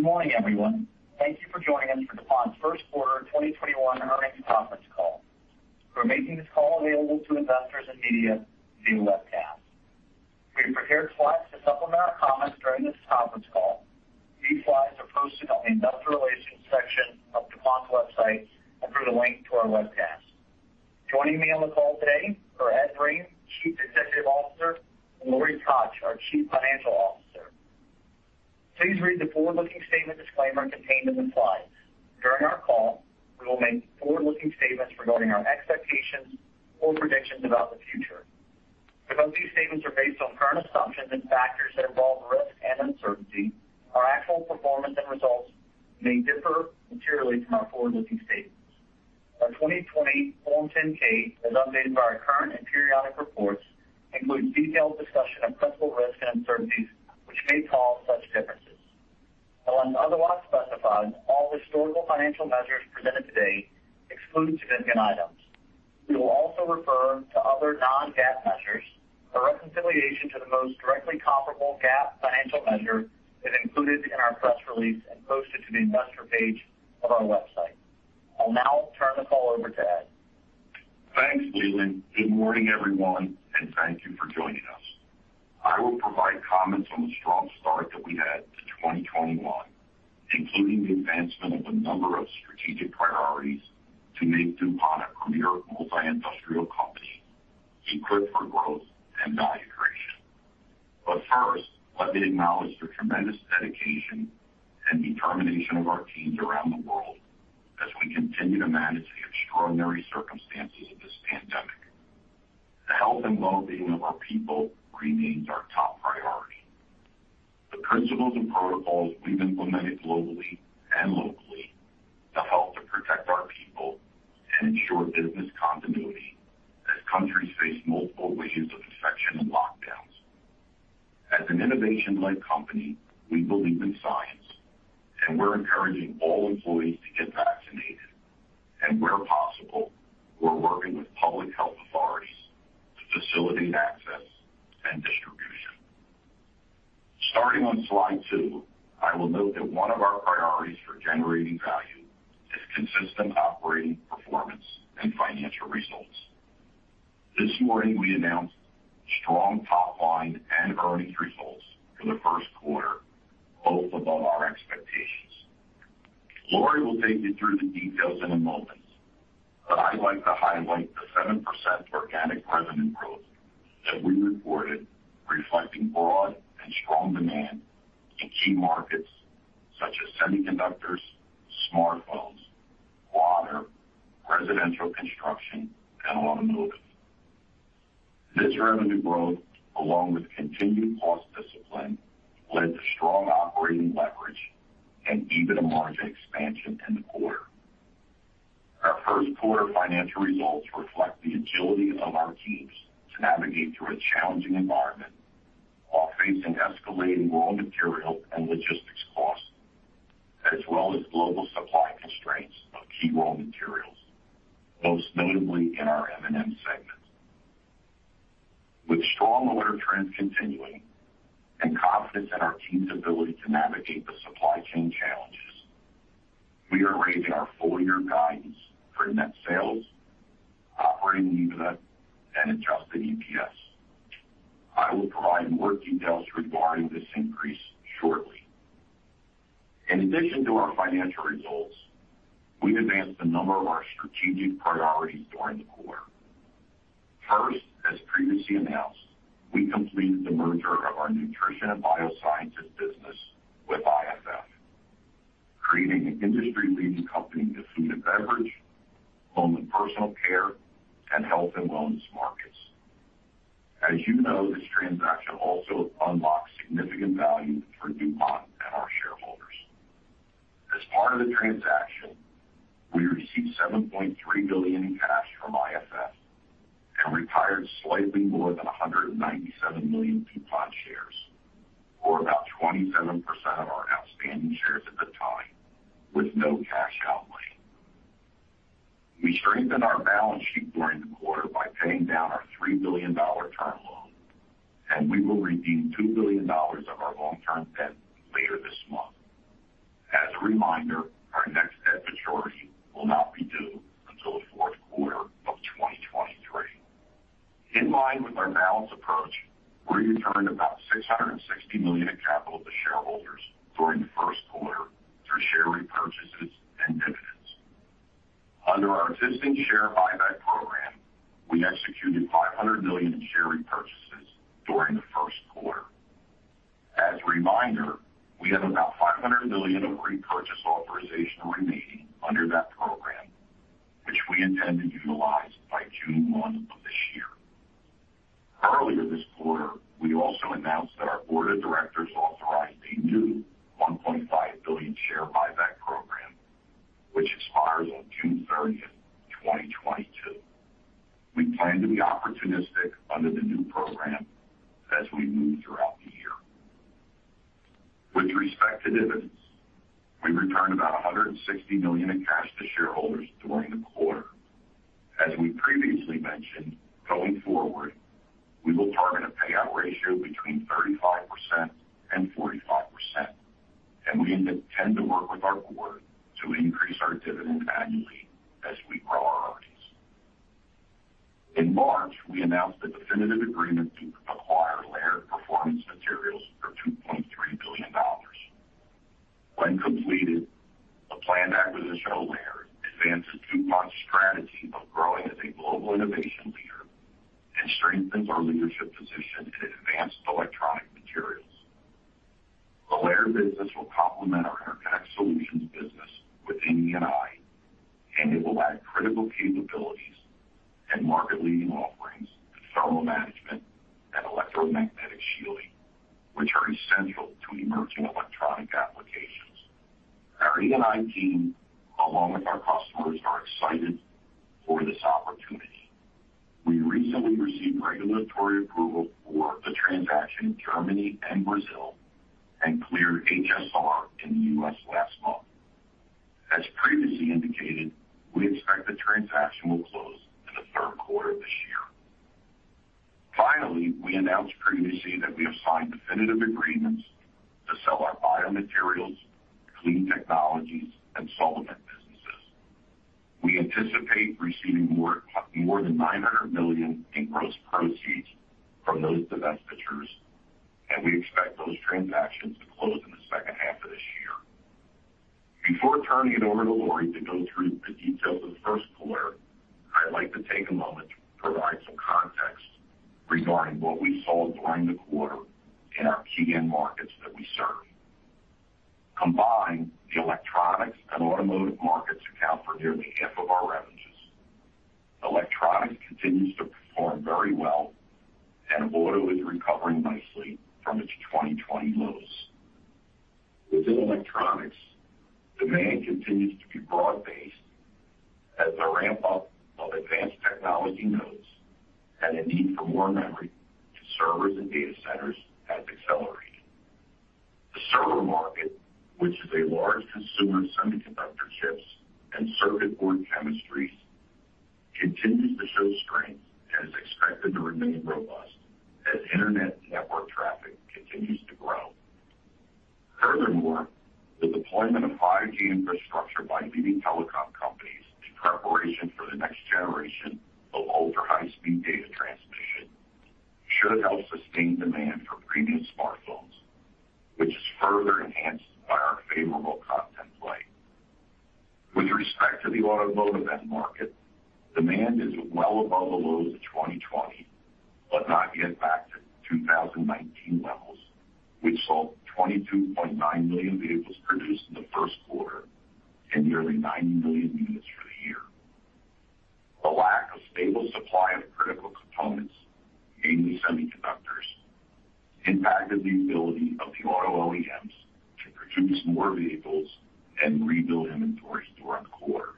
Good morning, everyone. Thank you for joining us for DuPont's First Quarter 2021 Earnings Conference Call. We're making this call available to investors and media via webcast. We have prepared slides to supplement our comments during this conference call. These slides are posted on the Investor Relations section of DuPont's website and through the link to our webcast. Joining me on the call today are Ed Breen, Chief Executive Officer, and Lori Koch, our Chief Financial Officer. Please read the forward-looking statements disclaimer contained in the slides. During our call, we will make forward-looking statements regarding our expectations or predictions about the future. Because these statements are based on current assumptions and factors that involve risk and uncertainty, our actual performance and results may differ materially from our forward-looking statements. Our 2020 Form 10-K, as updated by our current and periodic reports, includes detailed discussion of principal risks and uncertainties, which may cause such differences. Unless otherwise specified, all historical financial measures presented today exclude significant items. We will also refer to other non-GAAP measures. The reconciliation to the most directly comparable GAAP financial measure is included in our press release and posted to the Investor page of our website. I'll now turn the call over to Ed. Thanks, Leland. Good morning, everyone, and thank you for joining us. I will provide comments on the strong start that we had to 2021, including the advancement of a number of strategic priorities to make DuPont a premier multi-industrial company equipped for growth and value creation. First, let me acknowledge the tremendous dedication and determination of our teams around the world as we continue to manage the extraordinary circumstances of this pandemic. The health and well-being of our people remains our top priority. The principles and protocols we've implemented globally and locally to help to protect our people and ensure business continuity as countries face multiple waves of infection and lockdowns. As an innovation-led company, we believe in science, and we're encouraging all employees to get vaccinated. Where possible, we're working with public health authorities to facilitate access and distribution. Starting on slide two, I will note that one of our priorities for generating value is consistent operating performance and financial results. This morning, we announced strong top line and earnings results for the first quarter, both above our expectations. Lori will take you through the details in a moment, but I'd like to highlight the 7% organic revenue growth that we reported reflecting broad and strong demand in key markets such as semiconductors, smartphones, water, residential construction, and automobiles. This revenue growth, along with continued cost discipline, led to strong operating leverage and even a margin expansion in the quarter. Our first quarter financial results reflect the agility of our teams to navigate through a challenging environment while facing escalating raw material and logistics costs, as well as global supply constraints of key raw materials, most notably in our M&M segment. With strong order trends continuing and confidence in our team's ability to navigate the supply chain challenges, we are raising our full year guidance for net sales, operating EBITDA, and adjusted EPS. I will provide more details regarding this increase shortly. In addition to our financial results, we advanced a number of our strategic priorities during the quarter. First, as previously announced, we completed the merger of our Nutrition & Biosciences business with IFF, creating an industry-leading company in the food & beverage, home and personal care, and health and wellness markets. As you know, this transaction also unlocks significant value for DuPont and our shareholders. As part of the transaction, we received $7.3 billion in cash from IFF and retired slightly more than 197 million DuPont shares, or about 27% of our outstanding shares at the time, with no cash outlay. We strengthened our balance sheet during the quarter by paying down our $3 billion term loan, and we will redeem $2 billion of our long-term debt later this month. As a reminder, our next debt maturity will not be due until the fourth quarter of 2023. In line with our balanced approach, we returned about $660 million in capital to shareholders during the first quarter through share repurchases and dividends. Under our existing share buyback program, we executed $500 million in share repurchases during the first quarter. As a reminder, we have about $500 million of repurchase authorization remaining under that program, which we intend to utilize by June 1 of this year. Earlier this quarter, we also announced that our board of directors authorized a new $1.5 billion share buyback program, which expires on June 30th, 2022. We plan to be opportunistic under the new program as we move throughout the year. With respect to dividends, we returned about $160 million in cash to shareholders during the quarter. As we previously mentioned, going forward, we will target a payout ratio between 35% and 45%, and we intend to work with our board to increase our dividend annually as we grow our earnings. In March, we announced the definitive agreement to acquire Laird Performance Materials for $2.3 billion. When completed, the planned acquisition of Laird advances DuPont's strategy of growing as a global innovation leader and strengthens our leadership position in advanced electronic materials. The Laird business will complement our Interconnect Solutions business within E&I, and it will add critical capabilities and market-leading offerings to thermal management and electromagnetic shielding, which are essential to emerging electronic applications. Our E&I team, along with our customers, are excited for this opportunity. We recently received regulatory approval for the transaction in Germany and Brazil, and cleared HSR in the U.S. last month. As previously indicated, we expect the transaction will close in the third quarter of this year. Finally, we announced previously that we have signed definitive agreements to sell our Biomaterials, Clean Technologies, and Solamet businesses. We anticipate receiving more than $900 million in gross proceeds from those divestitures, and we expect those transactions to close in the second half of this year. Before turning it over to Lori to go through the details of the first quarter, I'd like to take a moment to provide some context regarding what we saw during the quarter in our key end markets that we serve. Combined, the electronics and automotive markets account for nearly half of our revenues. Electronics continues to perform very well, and auto is recovering nicely from its 2020 lows. Within electronics, demand continues to be broad-based as the ramp-up of advanced technology nodes and the need for more memory to servers and data centers has accelerated. The server market, which is a large consumer of semiconductor chips and circuit board chemistries, continues to show strength and is expected to remain robust as internet network traffic continues to grow. Furthermore, the deployment of 5G infrastructure by leading telecom companies in preparation for the next generation of ultra-high-speed data transmission should help sustain demand for premium smartphones, which is further enhanced by our favorable content play. With respect to the automotive end market, demand is well above the lows of 2020, but not yet back to 2019 levels, which saw 22.9 million vehicles produced in the first quarter and nearly 90 million units for the year. The lack of stable supply of critical components, mainly semiconductors, impacted the ability of the auto OEMs to produce more vehicles and rebuild inventories throughout the quarter.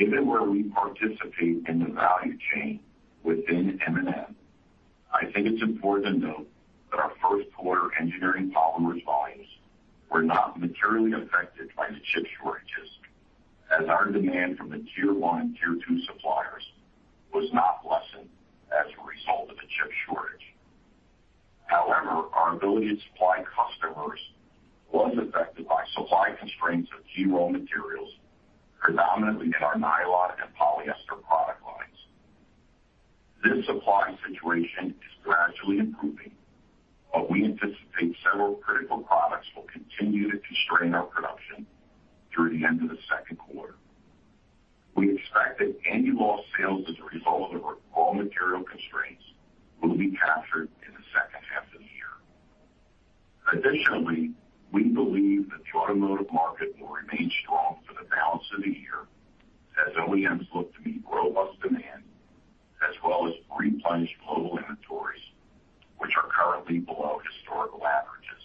Even where we participate in the value chain within M&M, I think it's important to note that our first quarter engineering polymers volumes were not materially affected by the chip shortages, as our demand from the Tier 1 and Tier 2 suppliers was not lessened as a result of the chip shortage. However, our ability to supply customers was affected by supply constraints of key raw materials, predominantly in our nylon and polyester product lines. This supply situation is gradually improving, but we anticipate several critical products will continue to constrain our production through the end of the second quarter. We expect that any lost sales as a result of raw material constraints will be captured in the second half of the year. Additionally, we believe that the automotive market will remain strong for the balance of the year as OEMs look to meet robust demand, as well as replenish global inventories, which are currently below historical averages.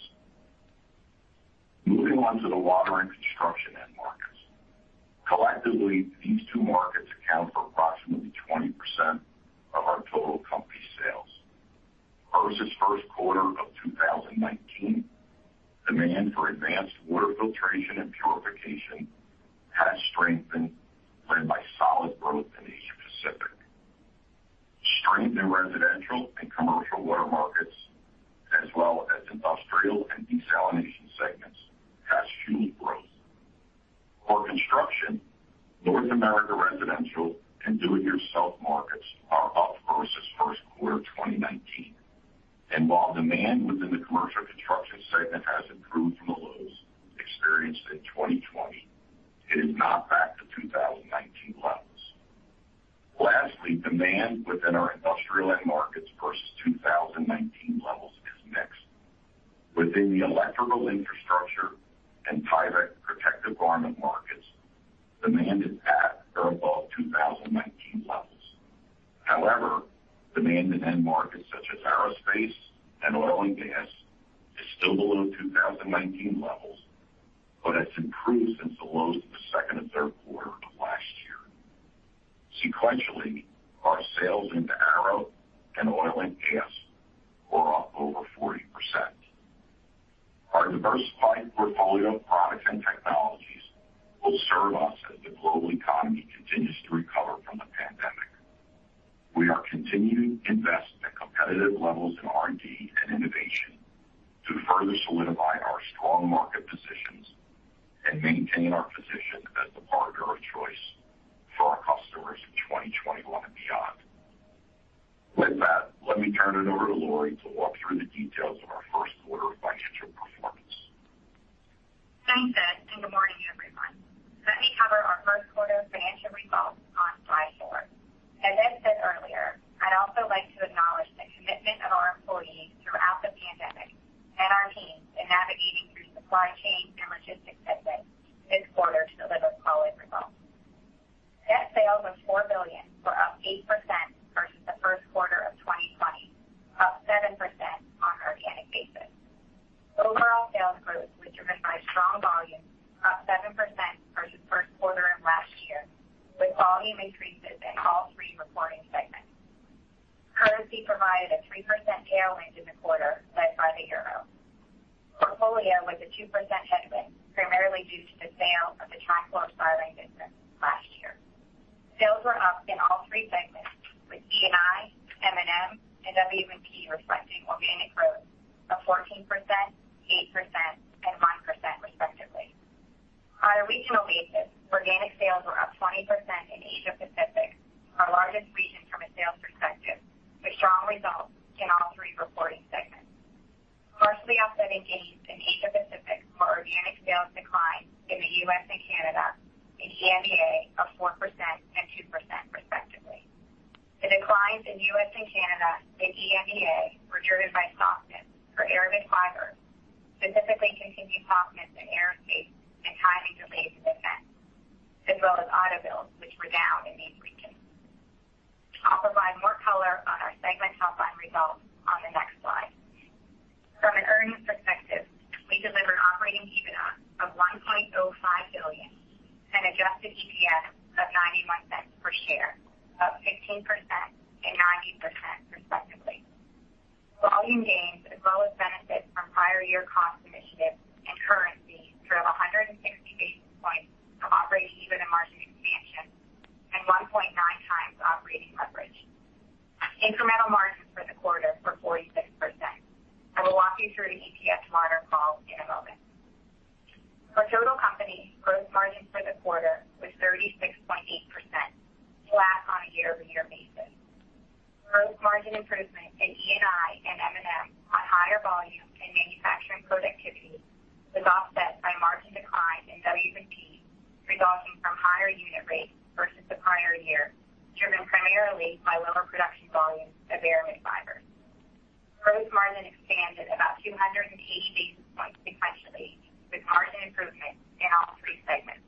Moving on to the Water and Construction end markets. Collectively, these two markets account for approximately 20% of our total company sales. Versus first quarter of 2019, demand for advanced water filtration and purification has strengthened, led by solid growth in Asia Pacific. Strength in residential and commercial water markets, as well as Industrial and desalination segments, has fueled growth. For construction, North America residential and do-it-yourself markets are up versus first quarter 2019. While demand within the commercial construction segment has improved from the lows experienced in 2020, it is not back to 2019 levels. Lastly, demand within our Industrial end markets versus 2019 levels is mixed. Within the electrical infrastructure and Tyvek protective garment markets, demand is at or above 2019 levels. However, demand in end markets such as aerospace and oil and gas is still below 2019 levels, but has improved since the lows of the second and third quarter. Sequentially, our sales into aero and oil and gas were up over 40%. Our diversified portfolio of products and technologies will serve us as the global economy continues to recover from the pandemic. We are continuing to invest at competitive levels in R&D and innovation to further solidify our strong market positions and maintain our position as the partner of choice for our customers in 2021 and beyond. With that, let me turn it over to Lori to walk through the details of our first quarter financial performance. Thanks, Ed, and good morning, everyone. Let me cover our first quarter financial results on slide four. As Ed said earlier, I'd also like to acknowledge the commitment of our employees throughout the pandemic and our teams in navigating through supply chain and logistics headwinds this quarter to deliver quality results. Net sales of $4 billion were up 8% versus the first quarter of 2020, up 7% on an organic basis. Overall sales growth was driven by strong volumes, up 7% versus first quarter of last year, with volume increases in all three reporting segments. Currency provided a 3% tailwind in the quarter, led by the euro. Portfolio was a 2% headwind, primarily due to the sale of the trichlorosilane business last year. Sales were up in all three segments, with E&I, M&M, and W&P reflecting organic growth of 14%, 8%, and 1%, respectively. On a regional basis, organic sales were up 20% in Asia Pacific, our largest region from a sales perspective, with strong results in all three reporting segments. Partially offsetting gains in Asia Pacific were organic sales declines in the U.S. and Canada and EAMEA of 4% and 2%, respectively. The declines in U.S. and Canada and EAMEA were driven by softness for Aramid fibers, specifically continued softness in aerospace and timing-related events, as well as auto builds, which were down in these regions. I'll provide more color on our segment top-line results on the next slide. From an earnings perspective, we delivered operating EBITDA of $1.05 billion and adjusted EPS of $0.91 per share, up 16% and 90%, respectively. Volume gains, as well as benefits from prior year cost initiatives and currency, drove 160 basis points of operating EBITDA margin expansion and 1.9x operating leverage. Incremental margins for the quarter were 46%, and we'll walk you through the EPS margin walk in a moment. For total company, gross margin for the quarter was 36.8%, flat on a year-over-year basis. Gross margin improvement in E&I and M&M on higher volumes and manufacturing productivity was offset by margin decline in W&P, resulting from higher unit rates versus the prior year, driven primarily by lower production volumes of Aramid fibers. Gross margin expanded about 280 basis points sequentially, with margin improvements in all three segments.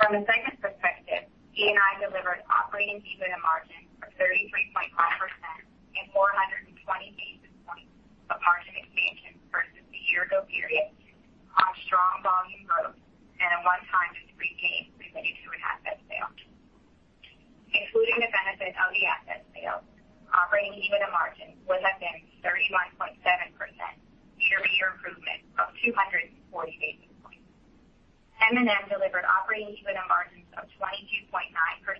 From a segment perspective, E&I delivered operating EBITDA margins of 33.5% and 420 basis points of margin expansion versus the year-ago period on strong volume growth and a one-time discrete gain related to an asset sale. Including the benefit of the asset sale, operating EBITDA margins would have been 31.7%, a year-over-year improvement of 240 basis points. M&M delivered operating EBITDA margins of 22.9%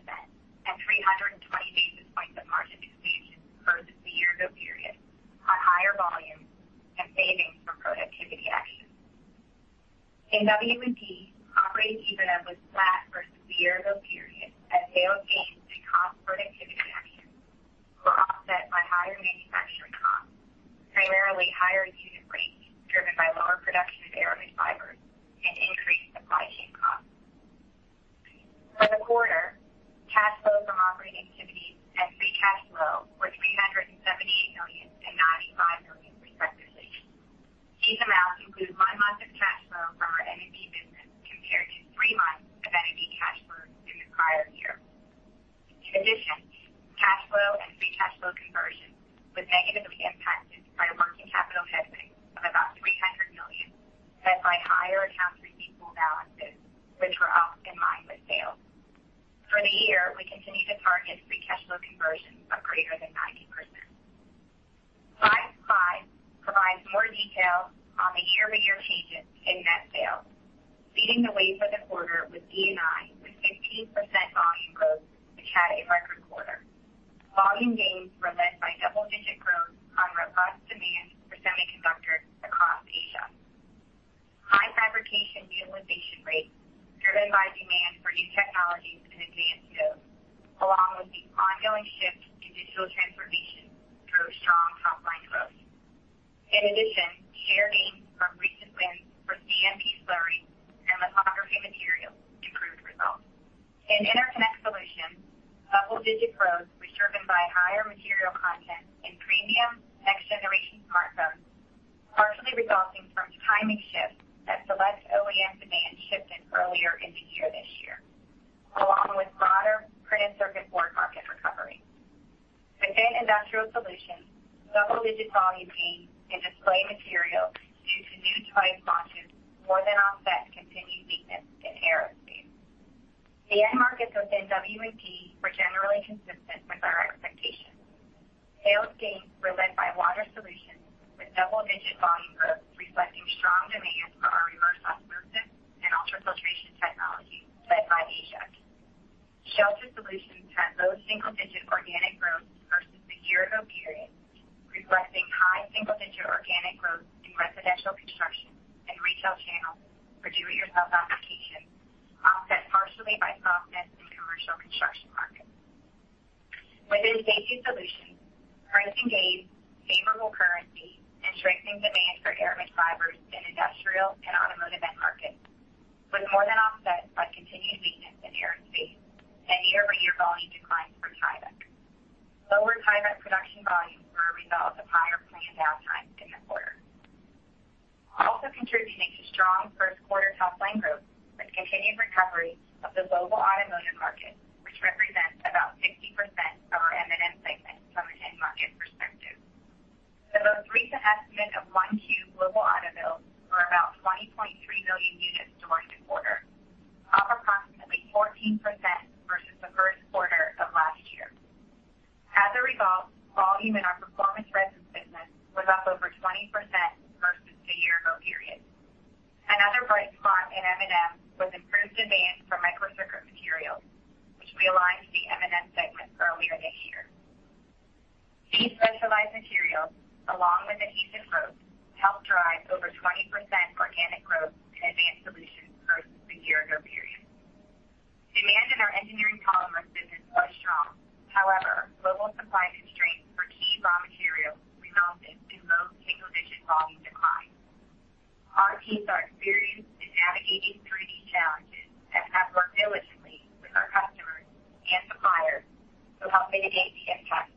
and 320 basis points of margin expansion versus the year-ago period on higher volumes and savings from productivity actions. In W&P, operating EBITDA was flat versus the year-ago period as sales gains and cost productivity actions were offset by higher manufacturing costs, primarily higher unit rates driven by lower production of Aramid fibers and increased supply chain costs. For the quarter, cash flows from operating activities and free cash flow were $378 million and $95 million, respectively. These amounts include one month of cash flow from our energy business, compared to three months of energy cash flows in the prior year. In addition, cash flow and free cash flow conversion was negatively impacted by working capital headwinds of about $300 million, led by higher accounts receivable balances, which were up in line with sales. For the year, we continue to target free cash flow conversion of greater than 90%. Slide five provides more detail on the year-over-year changes in net sales. Leading the way for the quarter was E&I, with 15% volume growth, which had a record quarter. Volume gains were led by double-digit growth on robust demand for semiconductors across Asia. High fabrication utilization rates, driven by demand for new technologies and advanced nodes, along with the ongoing shift to digital transformation, drove strong top-line growth. In addition, share gains from recent wins for CMP slurry and lithography materials improved results. In Interconnect Solutions, double-digit growth was driven by higher material content in premium next-generation smartphones, partially resulting from timing shifts as select OEM demand shifted earlier in the year this year, along with broader printed circuit board market recovery. Within Industrial Solutions, double-digit volume gains in display materials due to new device platforms more than offset continued weakness in aerospace. The end markets within W&P were generally consistent with our expectations. Sales gains were led by Water Solutions with double-digit volume growth reflecting strong demand for our reverse osmosis and ultrafiltration technology led by Asia. Shelter Solutions had low single-digit organic growth versus the year-ago period, reflecting high single-digit organic growth in residential construction and retail channels for do-it-yourself applications, offset partially by softness in commercial construction markets. Within Safety Solutions, pricing gains, favorable currency, and strengthening demand for Aramid fibers in industrial and automotive end markets was more than offset by continued weakness in aerospace and year-over-year volume declines for Tyvek. Lower Tyvek production volumes were a result of higher planned downtimes in the quarter. Also contributing to strong first quarter top line growth was continued recovery of the global automotive market, which represents about 60% of our M&M segment from an end market perspective. The most recent estimate of 1Q global auto builds were about 20.3 million units during the quarter, up approximately 14% versus the first quarter of last year. As a result, volume in our performance resins business was up over 20% versus the year-ago period. Another bright spot in M&M was improved demand for microcircuit materials, which we aligned to the M&M segment earlier this year. These specialized materials, along with adhesive growth, helped drive over 20% organic growth in advanced solutions versus the year-ago period. Demand in our engineering polymers business was strong. However, global supply constraints for key raw materials resulted in low single-digit volume declines. Our teams are experienced in navigating through these challenges and have worked diligently with our customers and suppliers to help mitigate the impacts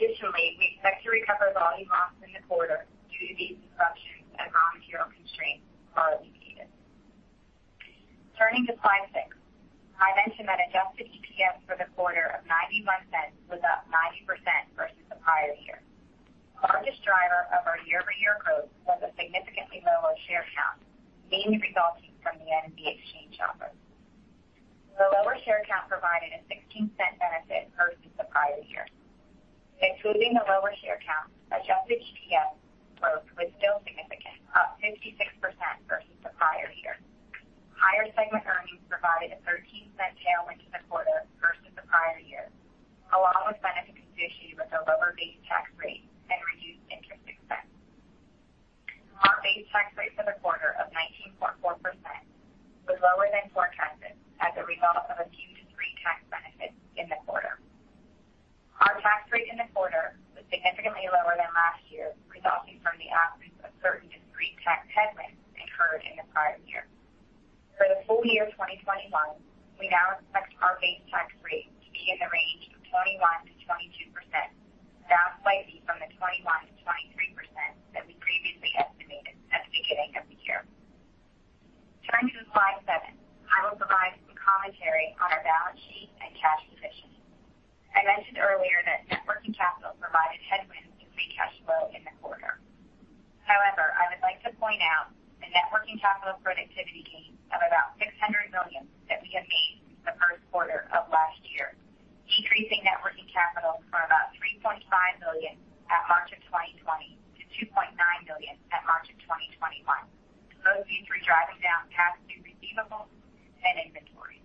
incurred as a result. We expect to recover volume loss in the quarter due to these disruptions as raw material constraints are alleviated. Turning to slide six. I mentioned that adjusted EPS for the quarter of $0.91 was up 90% versus the prior year. The largest driver of our year-over-year growth was a significantly lower share count, mainly resulting from the N&B exchange offer. The lower share count provided a $0.16 benefit versus the prior year. Excluding the lower share count, adjusted EPS growth was still significant, up 56% versus the prior year. Higher segment earnings provided a $0.13 tailwind in the quarter versus the prior year, along with benefits associated with a lower base tax rate and reduced interest expense. Our base tax rate for the quarter of 19.4% was lower than forecasted as a result of a few discrete tax benefits in the quarter. Our tax rate in the quarter was significantly lower than last year, resulting from the absence of certain discrete tax headwinds incurred in the prior year. For the full year 2021, we now expect our base tax rate to be in the range of 21%-22%, down slightly from the 21%-23% that we previously estimated at the beginning of the year. Turning to slide seven. I will provide some commentary on our balance sheet and cash position. I mentioned earlier that working capital provided headwinds to free cash flow in the quarter. However, I would like to point out the net working capital productivity gain of about $600 million that we have made since the first quarter of last year, decreasing net working capital from about $3.5 billion at March of 2020 to $2.9 billion at March of 2021, mostly through driving down cash and receivables and inventories.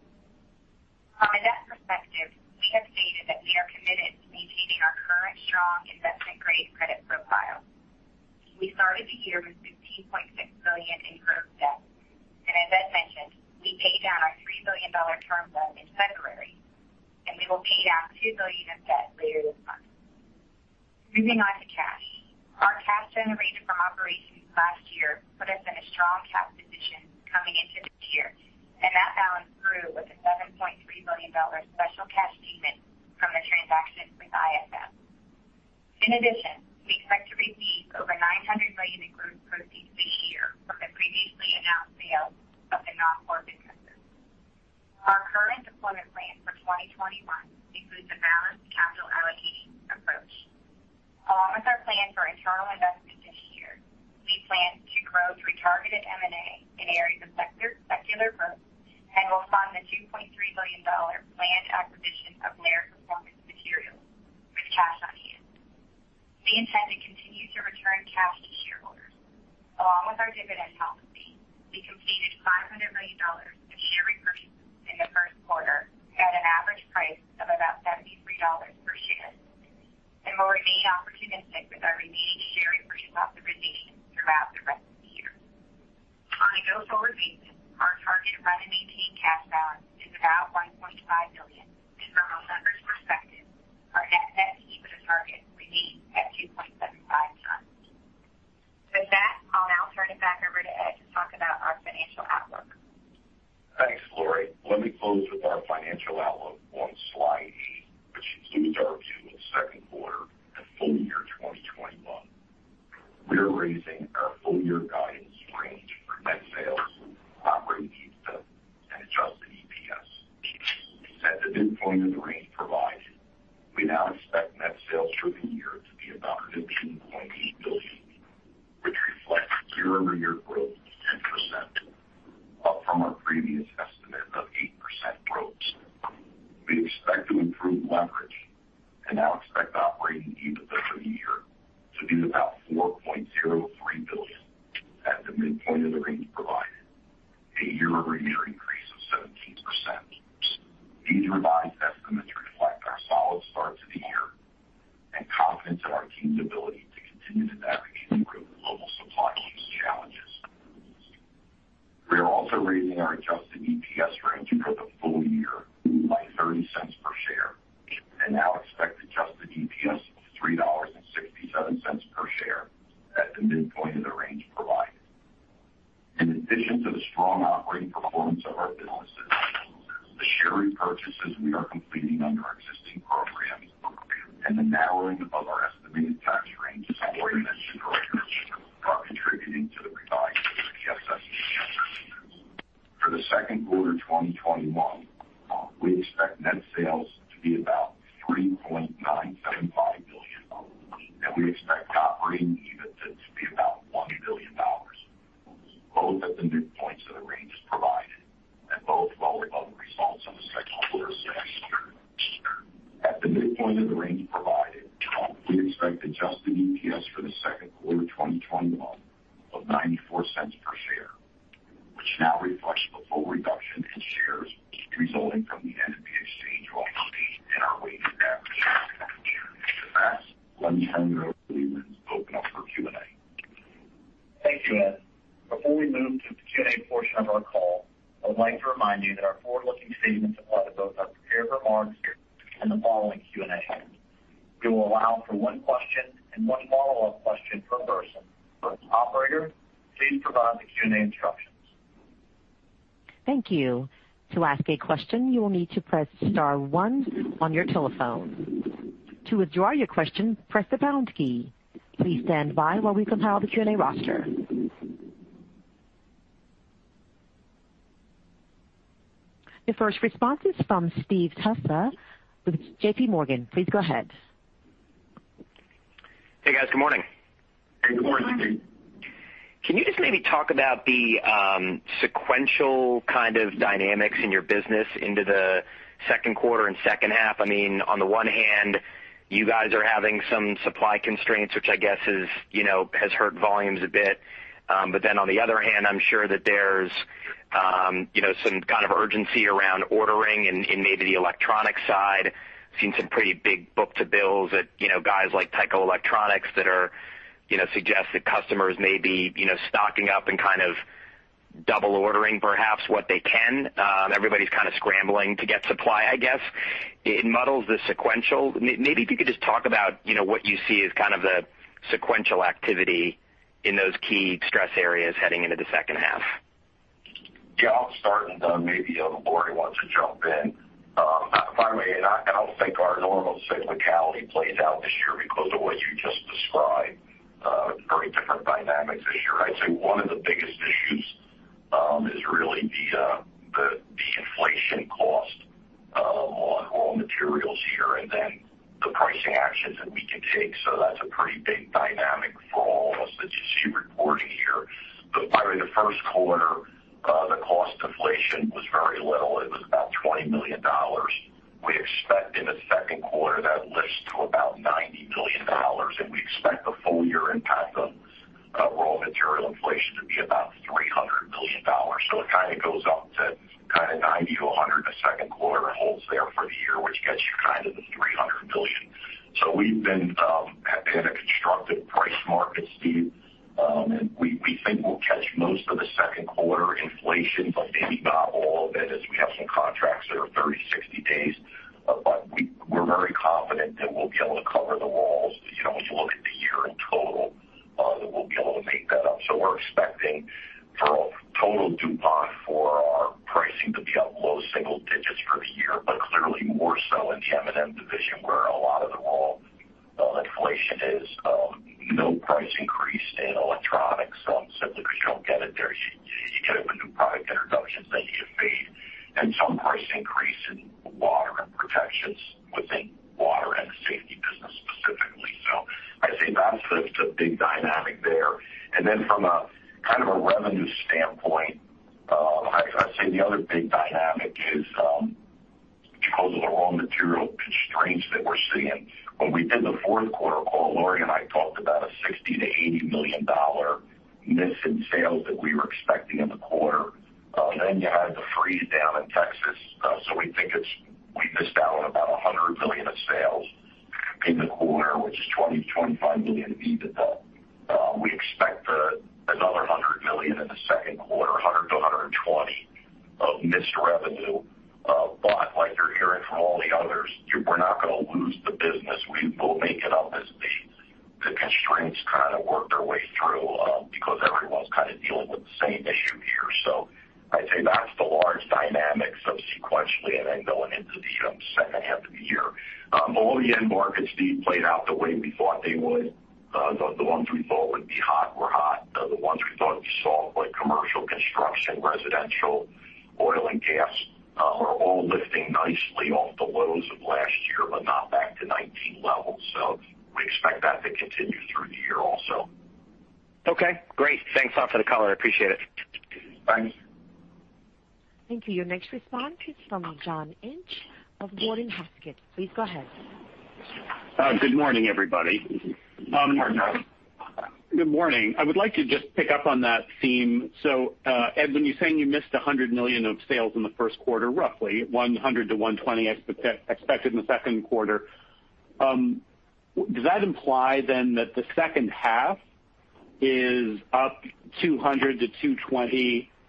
From a debt perspective, we have stated that we are committed to maintaining our current strong investment-grade credit profile. We started the year with $16.6 billion in gross debt, and as Ed mentioned, we paid down our $3 billion term loan in February, and we will pay down $2 billion of debt later this month. Moving on to cash. Our cash generated from operations last year put us in a strong cash position coming into this year, and that balance grew with a $7.3 billion special cash payment from the transaction with IFF. We expect to receive over $900 million in gross proceeds this year from the previously announced sale of the non-core businesses. Our current deployment plan for 2021 includes a balanced capital allocation approach. Along with our plan for internal investments this year, we plan to grow through targeted M&A in areas of secular growth and will fund the $2.3 billion planned acquisition of Laird Performance Materials with cash on hand. We intend to continue to return cash to shareholders. Along with our dividend policy, we completed $500 million of share repurchases in the first quarter at an average price of about $73 per share. We'll remain opportunistic with our remaining share repurchase authorization throughout the rest of the year. On a go-forward basis, our target run and maintain cash balance is about $1.5 billion. From a leverage perspective, our net debt-to-EBITDA target remains at 2.75x. With that, I'll now turn it back over to Ed to talk about our financial outlook. Thanks, Lori. Let me close with our financial outlook on slide eight, which includes our view of the second quarter and full year 2021. We are raising our full-year guidance range for net sales, operating income midpoint of the range provided. We now expect net sales for the year to be about $15.8 billion, which reflects year-over-year growth of 10%, up from our previous estimate of 8% growth. We expect to improve leverage and now expect operating EBITDA for the year to be about The first response is from Steve Tusa with JPMorgan. Please go ahead. Hey, guys. Good morning. Good morning. Good morning. Can you just maybe talk about the sequential kind of dynamics in your business into the second quarter and second half? On the one hand, you guys are having some supply constraints, which I guess has hurt volumes a bit. On the other hand, I'm sure that there's some kind of urgency around ordering and maybe the electronic side. Seen some pretty big book to bills at guys like Tyco Connectivity that suggest that customers may be stocking up and kind of double ordering perhaps what they can. Everybody's kind of scrambling to get supply, I guess. It muddles the sequential. Maybe if you could just talk about what you see as kind of the sequential activity in those key stress areas heading into the second half. Yeah, I'll start and then maybe Lori wants to jump in. Finally, I don't think our normal cyclicality plays out this year because of what you just described. Very different dynamics this year. I'd say one of the biggest issues is really the inflation cost on raw materials here, and then the pricing actions that we can take. The first quarter, the cost inflation was very little. It was about $20 million. We expect in the second quarter that lifts to about $90 million, and we expect the full-year impact of raw material inflation to be about $300 million. It kind of goes up to $90 million-$100 million the second quarter and holds there for the year, which gets you kind of the $300 million. We've been in a constructive price market, Steve, and we think we'll catch most of the second quarter inflation, but maybe not all of it, as we have some contracts that are 30, 60 days. We're very confident that we'll be able to cover the raws as you look at the year in total, that we'll be able to make that up. We're expecting for total DuPont for our pricing to be up low single digits for the year, but clearly more so in the M&M division where a lot of the raw inflation is. No price increase in Electronics simply because you don't get it there. You get it with new product introductions that you make, and some price increase in Water and protections within Water and Safety business specifically. I'd say that's the big dynamic there. From a kind of a revenue standpoint, I'd say the other big dynamic is because of the raw material constraints that we're seeing. When we did the fourth quarter call, Lori and I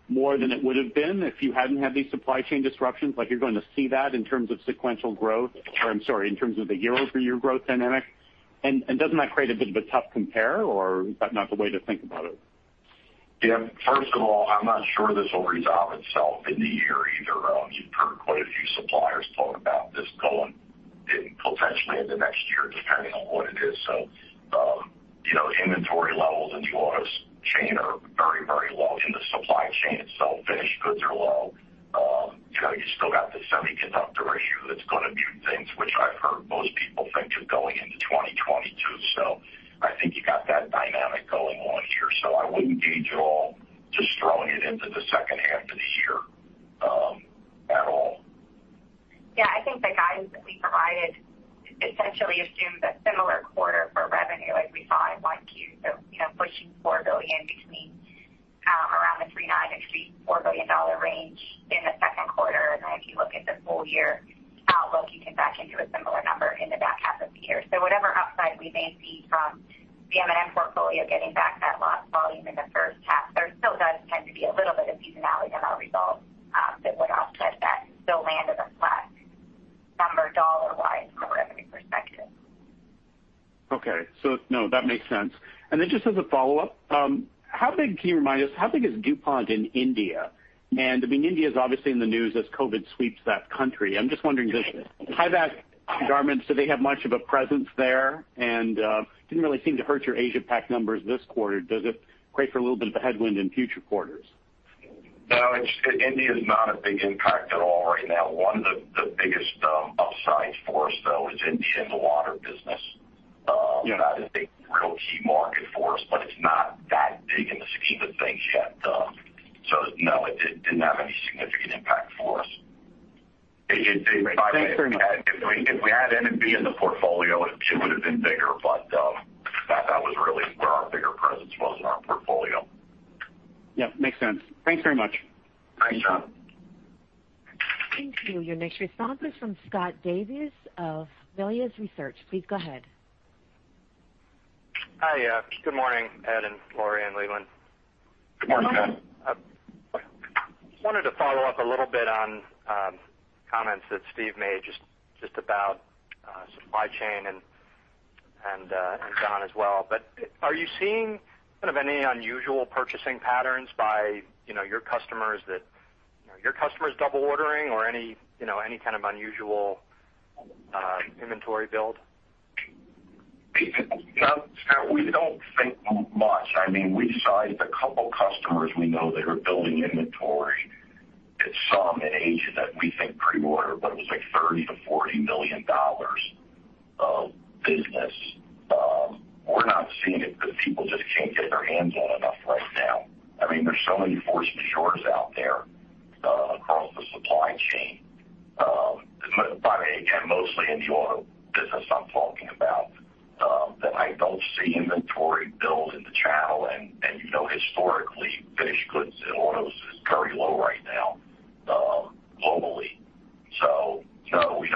more than it would have been if you hadn't had these supply chain disruptions? Like you're going to see that in terms of sequential growth, or I'm sorry, in terms of the year-over-year growth dynamic? Does that create a bit of a tough compare or is that not the way to think about it? Yeah. First of all, I'm not sure this will resolve itself in the year either. You've heard quite a few suppliers talk about this going potentially into next year, depending on what it is. Inventory levels in the autos chain are very low in the supply chain itself. Finished goods are low. You still got the semiconductor issue that's going to mute things, which I've heard most people think of going into 2022. I think you got that dynamic going on here, so I wouldn't gauge it all, just throwing it into the second half of the year, at all. I think the guidance that we provided essentially assumes a similar quarter for revenue as we saw in Q1. Pushing $4 billion between around the $3.9 billion, actually $4 billion range in the second quarter. Then if you look at the full year outlook, you come back into a similar number in the back half of the year. Whatever upside we may see from the M&M portfolio getting back that lost volume in the first half, there still does tend to be a little bit of seasonality in our results that would offset that. Land as a flat number dollar-wise from a revenue perspective. Okay. No, that makes sense. Then just as a follow-up, can you remind us, how big is DuPont in India? India is obviously in the news as COVID sweeps that country. I'm just wondering, does Tyvek garments, do they have much of a presence there? Didn't really seem to hurt your Asia Pac numbers this quarter. Does it create for a little bit of a headwind in future quarters? No, India is not a big impact at all right now. One of the biggest upsides for us, though, is India in the water business. That is a real key market for us, but it's not that big in the scheme of things yet. No, it didn't have any significant impact for us. Thanks very much. If we had N&B in the portfolio, it would have been bigger, but that was really where our bigger presence was in our portfolio. Yep, makes sense. Thanks very much. Thanks, John. Thank you. Your next response is from Scott Davis of Melius Research. Please go ahead. Hi. Good morning, Ed and Lori and Leland. Good morning, Scott. Just wanted to follow up a little bit on comments that Steve made just about supply chain and John as well. Are you seeing any unusual purchasing patterns by your customers? Are your customers double ordering or any kind of unusual inventory build? Scott, we don't think much. We sized a couple of customers we know that are building inventory at some in Asia that we think pre-order, but it was like $30 million-$40 million of business. We're not seeing it because people just can't get their hands on enough right now. There's so many force majeures out there across the supply chain. Mostly in the auto business I'm talking about, that I don't see inventory build in the channel. No, we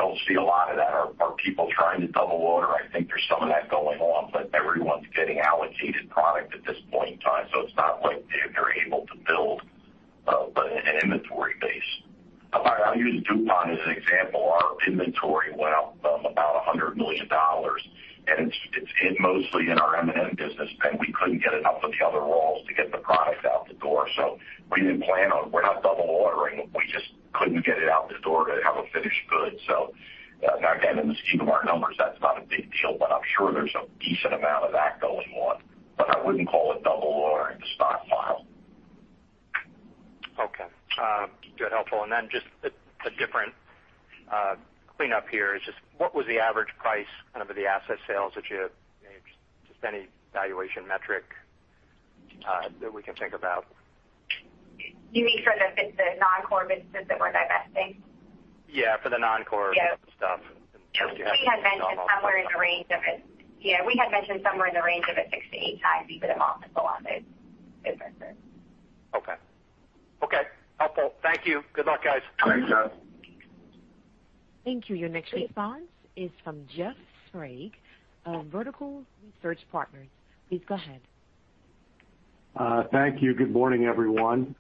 don't see a lot of that. Are people trying to double order? I think there's some of that going on, but everyone's getting allocated product at this point in time, so it's not like they're able to build an inventory base. I'll use DuPont as an example. Our inventory went up about $100 million, and it's mostly in our M&M business, and we couldn't get enough of the other raws to get the product out the door. We didn't plan on it. We're not double ordering. We just couldn't get it out the door to have a finished good. Again, in the scheme of our numbers, that's not a big deal, but I'm sure there's a decent amount of that going on. I wouldn't call it double ordering the stock pile. Okay. Good, helpful. Then just a different cleanup here is just what was the average price of the asset sales that you made? Just any valuation metric that we can think about? You mean for the non-core businesses that we're divesting? Yeah. Non-core stuff. We had mentioned somewhere in the range of a 6x-8x EBITDA multiple on the businesses. Okay. Helpful. Thank you. Good luck, guys. Thanks, Scott. Thank you. Your next response is from Jeff Sprague, Vertical Research Partners. Please go ahead. Thank you. Good morning, everyone.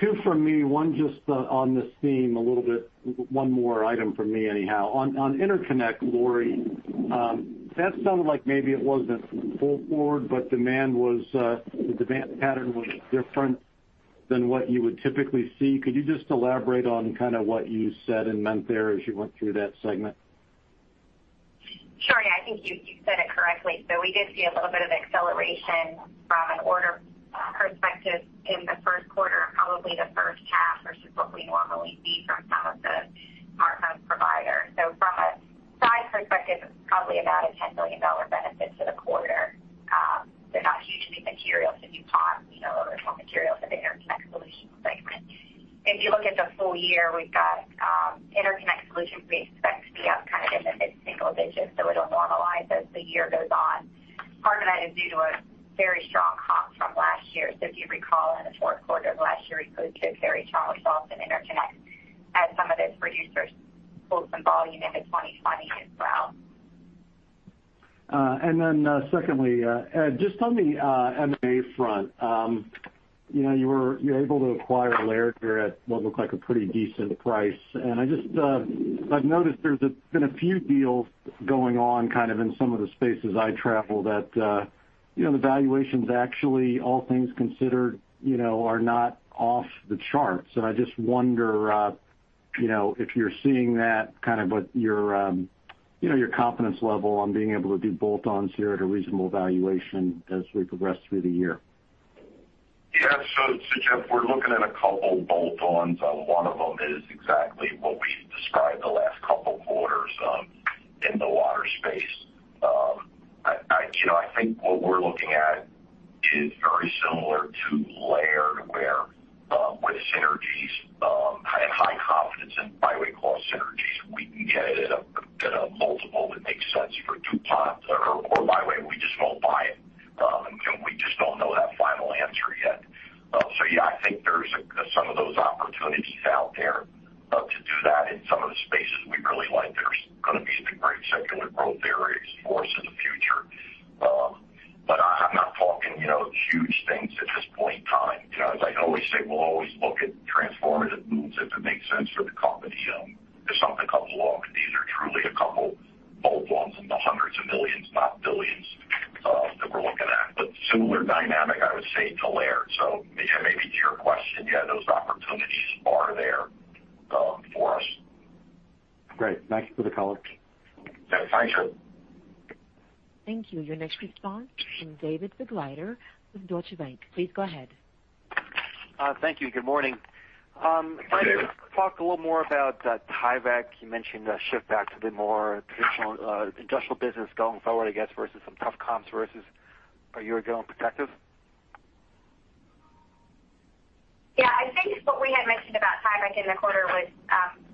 Two from me, one just on this theme a little bit. One more item from me anyhow. On Interconnect, Lori, that sounded like maybe it wasn't pulled forward, but the demand pattern was different than what you would typically see. Could you just elaborate on what you said and meant there as you went through that segment? Sure. Yeah, I think you said it correctly. We did see a little bit of acceleration from an order perspective in the first quarter, probably the first half versus what we normally see from some of the smartphone providers. From a size perspective, it's probably about a $10 million benefit to the quarter. They're not hugely material to DuPont, or more material to the Interconnect Solutions segment. If you look at the full year, we've got Interconnect Solutions we expect to be up in the mid-single digits. It'll normalize as the year goes on. Part of that is due to a very strong comp from last year. If you recall, in the fourth quarter of last year, we closed two very strong spots in Interconnect as some of those producers pulled some volume into 2020 as well. Secondly, Ed, just on the M&A front. You were able to acquire Laird here at what looked like a pretty decent price. I've noticed there's been a few deals going on in some of the spaces I travel that the valuations actually, all things considered, are not off the charts. I just wonder if you're seeing that, what your confidence level on being able to do bolt-ons here at a reasonable valuation as we progress through the year. Yeah. Jeff, we're looking at a couple bolt-ons. One of them is exactly what we described the last couple of quarters in the Water space. I think what we're looking at is very similar to Laird, where with synergies, I have high confidence in by way cost synergies. We can get it at a multiple that makes sense for DuPont or by way, we just won't buy it. We just don't know that final answer yet. Yeah, I think there's some of those opportunities out there to do that in some of the spaces we really like. There's going to be some great secular growth areas for us in the future. I'm not talking huge things at this point in time. As I always say, we'll always look at transformative moves if it makes sense for the company. If something comes along, these are truly a couple bolt-ons in the hundreds of millions, not billions, that we're looking at. Similar dynamic, I would say, to Laird. Maybe to your question, yeah, those opportunities are there for us. Great. Thanks for the color. Yeah, thanks. Thank you. Your next response from David Begleiter with Deutsche Bank. Please go ahead. Thank you. Good morning. Hi, David. Ed, talk a little more about Tyvek. You mentioned a shift back to the more traditional industrial business going forward, I guess, versus some tough comps versus are you going protective? Yeah, I think what we had mentioned about Tyvek in the quarter was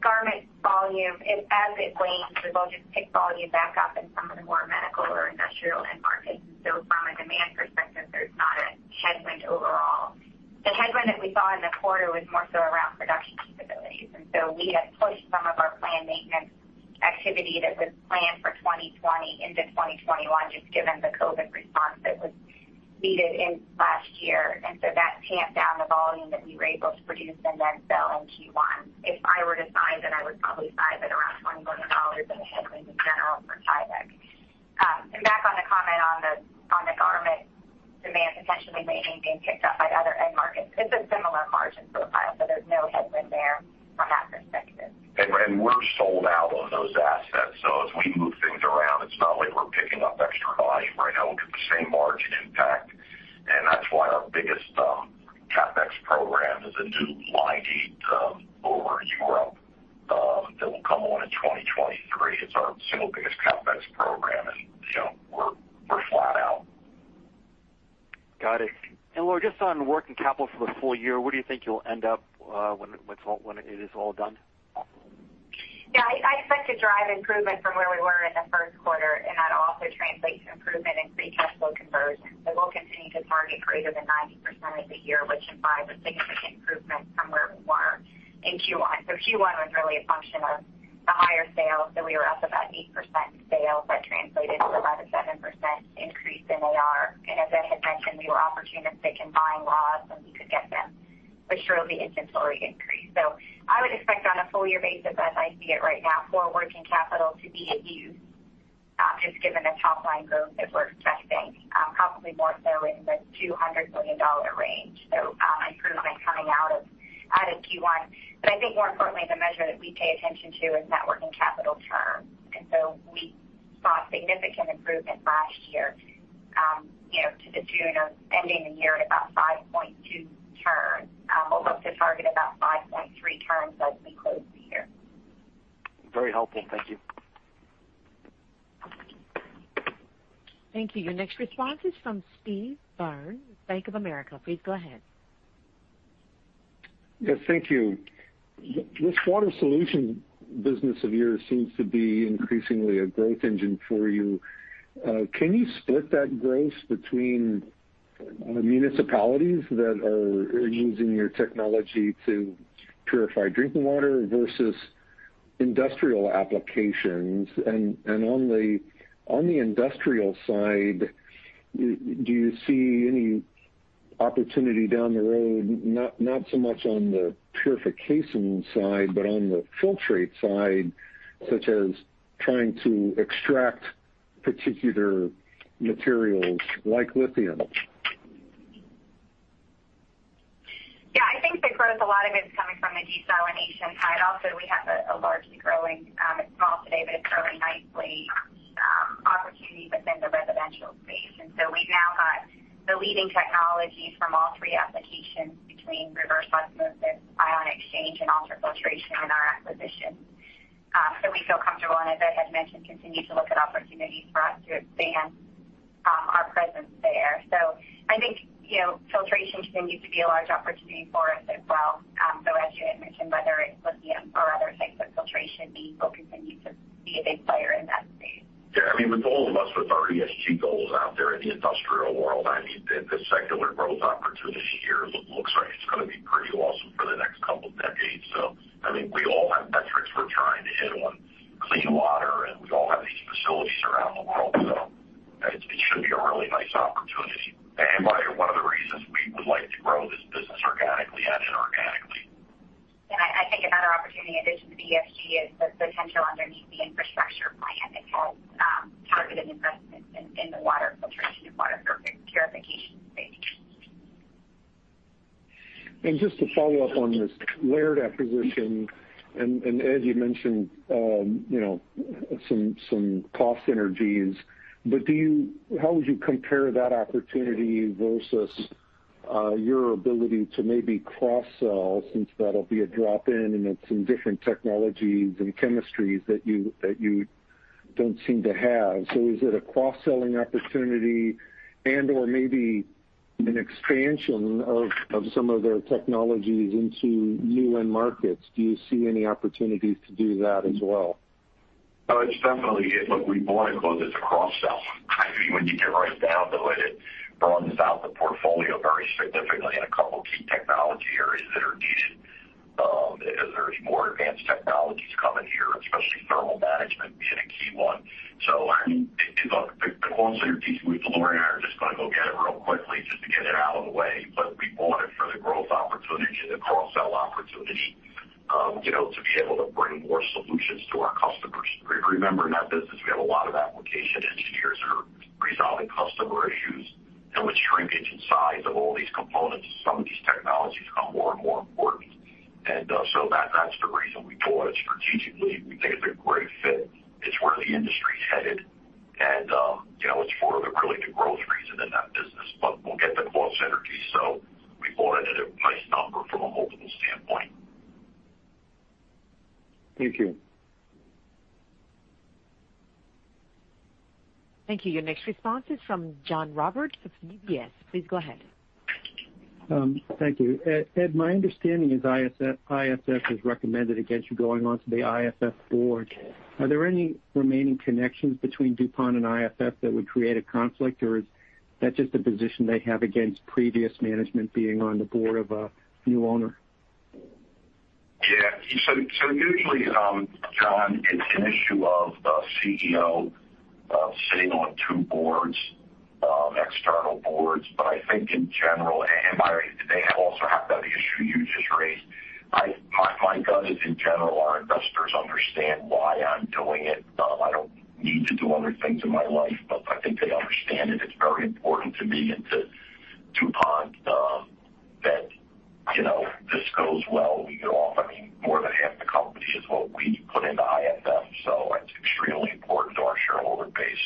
garment volume. As it wanes, we will just pick volume back up in some of the more medical or industrial end markets. From a demand perspective, there's not a headwind overall. The headwind that we saw in the quarter was more so around production capabilities. We had pushed some of our planned maintenance activity that was planned for 2020 into 2021, just given the COVID response that was needed in last year. That tamped down the volume that we were able to produce and then sell in Q1. If I were to size it, I would probably size it around $20 million in a headwind in general for Tyvek. Back on the comment on the garment demand potentially waning being picked up by other end markets, it's a similar margin profile, so there's no headwind there from that perspective. We're sold out on those assets. As we move things around, it's not like we're picking up extra volume right now. We'll get the same margin impact. That's why our biggest CapEx program is a new line here over in Europe that will come on in 2023. It's our single biggest CapEx program. We're flat out. Got it. Lori, just on working capital for the full year, where do you think you'll end up when it is all done? Yeah, I expect to drive improvement from where we were in the first quarter, and that'll also translate to improvement in free cash flow conversion. We'll continue to target greater than 90% of the year, which implies a significant improvement from where we were in Q1. Q1 was really a function of the higher sales, we were up about 8% in sales. That translated to about a 7% increase in AR. As Ed had mentioned, we were opportunistic in buying lots when we could get them, which drove the inventory increase. I would expect on a full year basis, as I see it right now, for working capital to be at use, just given the top line growth that we're expecting, probably more so in the $200 million range. Improvement coming out of Q1. I think more importantly, the measure that we pay attention to is net working capital turn. We saw significant improvement last year to the tune of ending the year at about 5.2 turns. We'll look to target about 5.3 turns as we close the year. Very helpful. Thank you. Thank you. Your next response is from Steve Byrne, Bank of America. Please go ahead. Yes, thank you. This Water Solutions business of yours seems to be increasingly a growth engine for you. Can you split that growth between municipalities that are using your technology to purify drinking water versus industrial applications? On the industrial side, do you see any opportunity down the road, not so much on the purification side, but on the filtrate side, such as trying to extract particular materials like lithium? I think the growth, a lot of it is coming from the desalination side. We have a largely growing, it's small today, but it's growing nicely, opportunity within the residential space. We've now got the leading technology from all three applications between reverse osmosis, ion exchange, and ultrafiltration in our acquisition. We feel comfortable, and as Ed had mentioned, continue to look at opportunities for us to expand our presence there. I think filtration continues to be a large opportunity for us as well. As you had mentioned, whether it's lithium or other types of filtration, we will continue to be a big player in that space. Yeah, with all of us, with our ESG goals out there in the industrial world, the secular growth opportunity here looks like it's going to be pretty awesome for the next couple of decades. We all have metrics we're trying to hit on clean water, and we all have these facilities around the world, so it should be a really nice opportunity. One of the reasons we would like to grow this business organically and inorganically. Yeah, I think another opportunity in addition to the ESG is the potential underneath the infrastructure plan that has targeted investments in the water filtration and water purification space. Just to follow up on this Laird acquisition, and as you mentioned, some cost synergies, but how would you compare that opportunity versus your ability to maybe cross-sell, since that'll be a drop-in and it's some different technologies and chemistries that you don't seem to have. Is it a cross-selling opportunity and/or maybe an expansion of some of their technologies into new end markets? Do you see any opportunities to do that as well? It's definitely, look, we bought it because it's a cross-sell. When you get right down to it rounds out the portfolio very significantly in a couple key technology areas that are needed. There's more advanced technologies coming here, especially thermal management being a key one. The cost synergies, Lori and I are just going to go get it real quickly just to get it out of the way, but we bought it for the growth opportunity, the cross-sell opportunity, to be able to bring more solutions to our customers. Remember, in that business, we have a lot of application engineers that are resolving customer issues, and with shrinkage in size of all these components, some of these technologies become more and more important. That's the reason we bought it strategically. We think it's a great fit. It's where the industry's headed, it's for the growth reason in that business. We'll get the cost synergies, we bought it at a nice number from a multiple standpoint. Thank you. Thank you. Your next response is from John Roberts of UBS. Please go ahead. Thank you. Ed, my understanding is IFF has recommended against you going onto the IFF board. Are there any remaining connections between DuPont and IFF that would create a conflict, or is that just a position they have against previous management being on the board of a new owner? Usually, John, it's an issue of a CEO sitting on two boards, external boards. I think in general, and they also have that issue you just raised. My gut is, in general, our investors understand why I'm doing it. I don't need to do other things in my life, but I think they understand it. It's very important to me and to DuPont that this goes well. We get off, more than half the company is what we put into IFF, so it's extremely important to our shareholder base.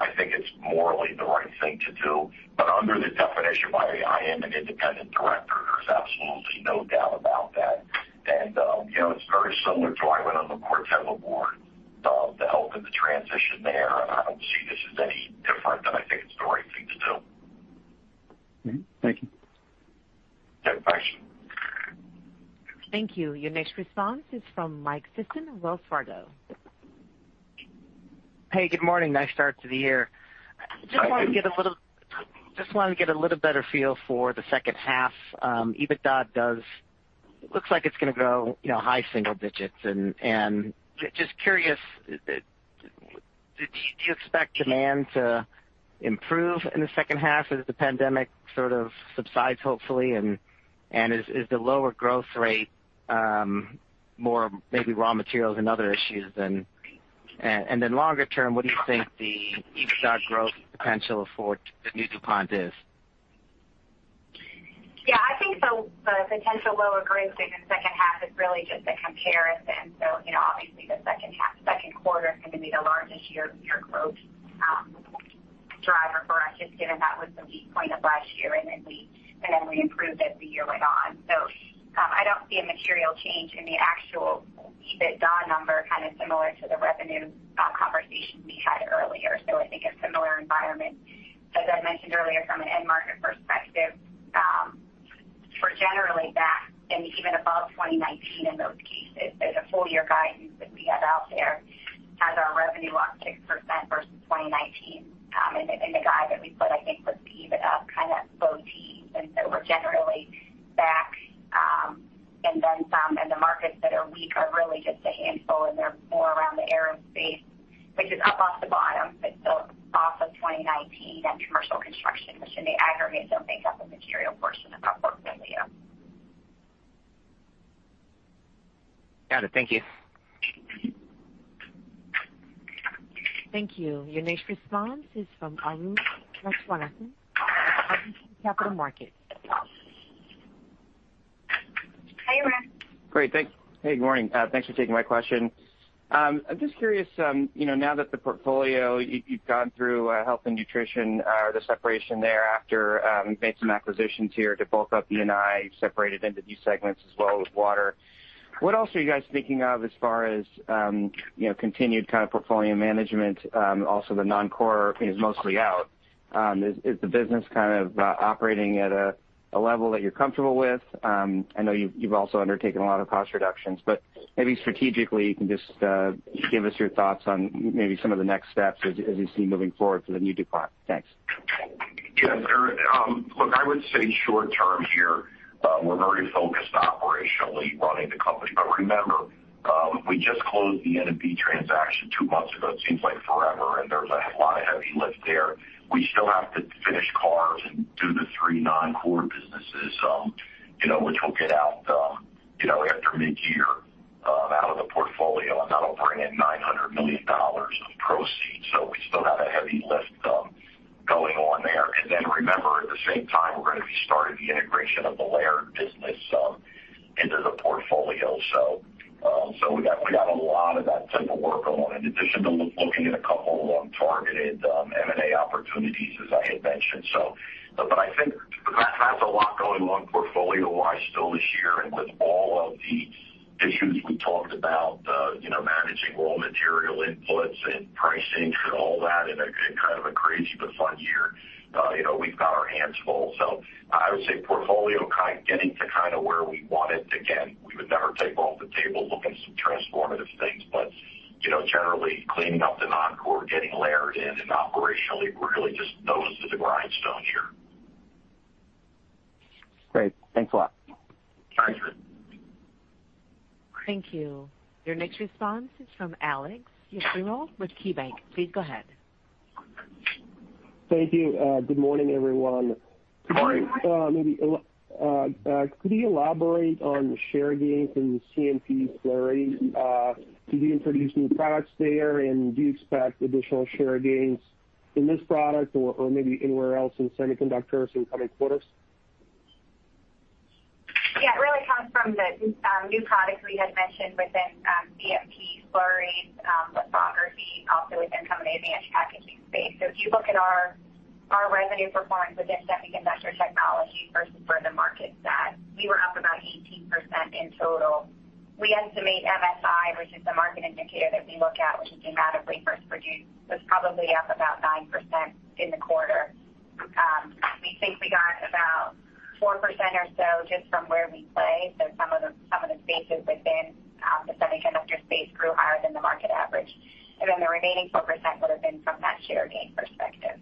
I think it's morally the right thing to do. Under the definition, I am an independent director. There's absolutely no doubt about that. It's very similar to, I went on the Corteva board to help in the transition there, and I don't see this as any different, and I think it's the right thing to do. Thank you. Yeah, thanks. Thank you. Your next response is from Mike Sison, Wells Fargo. Hey, good morning. Nice start to the year. Hi, Mike. Just wanted to get a little better feel for the second half. EBITDA looks like it's going to grow high single digits, and just curious, do you expect demand to improve in the second half as the pandemic sort of subsides, hopefully? Is the lower growth rate more maybe raw materials and other issues than? Longer term, what do you think the EBITDA growth potential for the new DuPont is? I think the potential lower growth rate in the second half is really just a comparison. Obviously the second quarter is going to be the largest year-over-year growth driver for us, just given that was the weak point of last year, and then we improved as the year went on. I don't see a material change in the actual EBITDA number, kind of similar to the revenue conversation we had earlier. I think a similar environment. As Ed mentioned earlier, from an end market perspective, we're generally back and even above 2019 in those cases. There's a full-year guidance that we have out there, has our revenue up 6% versus 2019. The guide that we put, I think, was EBITDA kind of low teens, and so we're generally back. Then some, and the markets that are weak are really just a handful, and they're more around the aerospace, which is up off the bottom, but still off of 2019, and commercial construction, which in the aggregate don't make up a material portion of our portfolio. Got it. Thank you. Thank you. Your next response is from Arun Viswanathan, RBC Capital Markets. Hey, Arun. Great. Hey, good morning. Thanks for taking my question. I'm just curious, now that the portfolio, you've gone through Health and Nutrition, the separation thereafter. You've made some acquisitions here to bulk up E&I, separated into new segments as well with Water. What else are you guys thinking of as far as continued kind of portfolio management? The non-core is mostly out. Is the business kind of operating at a level that you're comfortable with? I know you've also undertaken a lot of cost reductions, maybe strategically, you can just give us your thoughts on maybe some of the next steps as you see moving forward for the new DuPont. Thanks. Yes. Look, I would say short term here, we're very focused operationally running the company. Remember, we just closed the N&B transaction two months ago. It seems like forever, and there was a lot of heavy lift there. We still have to finish carve-outs and do the three non-core businesses, which we'll get out after mid-year, out of the portfolio, and that'll bring in $900 million of proceeds. We still have a heavy lift going on there. Remember, at the same time, we're going to be starting the integration of the Laird business into the portfolio. We got a lot of that type of work going on in addition to looking at a couple of long targeted M&A opportunities, as I had mentioned. I think that's a lot going on portfolio-wise still this year. With all of the issues we talked about, managing raw material inputs and pricing and all that in a kind of a crazy but fun year, we've got our hands full. I would say portfolio kind of getting to where we want it. Again, we would never take off the table looking at some transformative things, but generally cleaning up the non-core, getting Laird in, and operationally we're really just nose to the grindstone here. Great. Thanks a lot. Thanks, Arun. Thank you. Your next response is from Alek Yefremov with KeyBanc. Please go ahead. Thank you. Good morning, everyone. Good morning. Could you elaborate on share gains in CMP slurries? Do you introduce new products there, and do you expect additional share gains in this product or maybe anywhere else in semiconductors in coming quarters? Yeah. It really comes from the new products we had mentioned within CMP slurries, lithography, also within some advanced packaging space. If you look at our revenue performance within Semiconductor Technologies versus where the market sat, we were up about 18% in total. We estimate MSI, which is the market indicator that we look at, which is dramatically wafers produced, was probably up about 9% in the quarter. We think we got about 4% or so just from where we play. Some of the spaces within the semiconductor space grew higher than the market average. The remaining 4% would have been from that share gain perspective.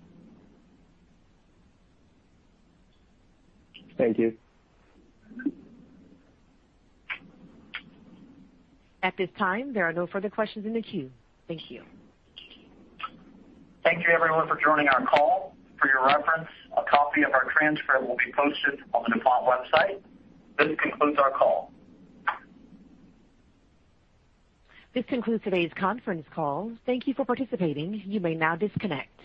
Thank you. At this time, there are no further questions in the queue. Thank you. Thank you everyone for joining our call. For your reference, a copy of our transcript will be posted on the DuPont website. This concludes our call. This concludes today's conference call. Thank you for participating. You may now disconnect.